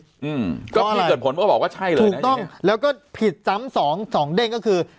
อืมก็พี่เกิดผลก็บอกว่าใช่เลยถูกต้องแล้วก็ผิดซ้ำสองสองเด้งก็คือ